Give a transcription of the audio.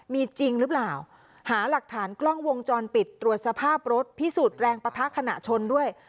มีจริงหรือเปล่าหาหลักฐานกล้องวงจรปิดตรวจสภาพรถพิสูจน์แรงปะทะขณะชนด้วย